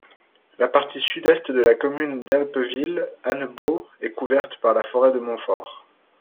La partie sud-est de la commune d'Appeville-Annebault est couverte par la forêt de Montfort.